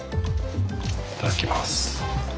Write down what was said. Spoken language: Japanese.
いただきます。